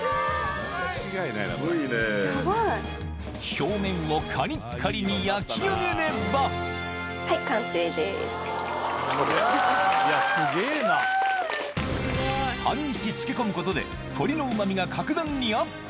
表面をカリッカリに焼き上げれば半日漬け込むことで鶏のうまみが格段にアップ